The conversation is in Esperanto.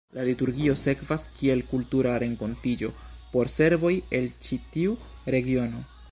La liturgio servas kiel kultura renkontiĝo por serboj el ĉi tiu regiono.